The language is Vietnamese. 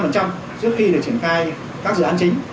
trước khi để triển khai các dự án chính